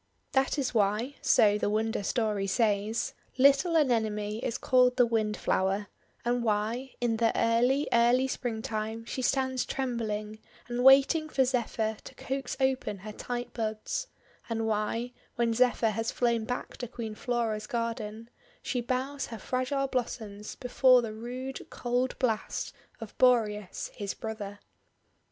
That is why — so the Wonder Story says — little Anemone is called the Windflower; and why, in the early, early Springtime she stands trembling, and waiting for Zephyr to coax open her tight buds; and why, when Zephyr has flown back to Queen Flora's garden, she bows her 110 THE WONDER GARDEN fragile blossoms before the rude cold blast of Boreas his brother.